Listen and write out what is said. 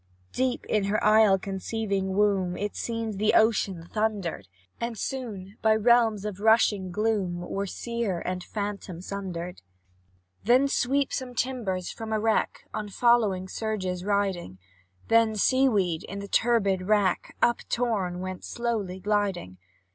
Deep in her isle conceiving womb, It seemed the ocean thundered, And soon, by realms of rushing gloom, Were seer and phantom sundered. Then swept some timbers from a wreck. On following surges riding; Then sea weed, in the turbid rack Uptorn, went slowly gliding.